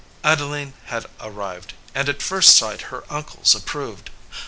Adeline had arrived, and at first sight her uncles approved.